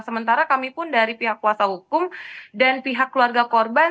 sementara kami pun dari pihak kuasa hukum dan pihak keluarga korban